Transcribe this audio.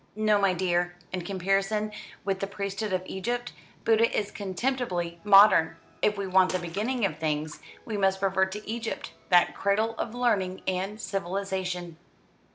"No, my dear. In comparison with the priesthood of Egypt, Buddha is contemptibly modern. If we want the beginning of things, we must revert to Egypt, that cradle of learning and civilisation."